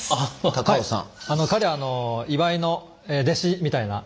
高尾さん。